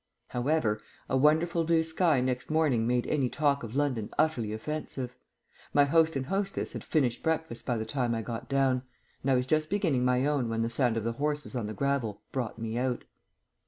However, a wonderful blue sky next morning made any talk of London utterly offensive. My host and hostess had finished breakfast by the time I got down, and I was just beginning my own when the sound of the horses on the gravel brought me out.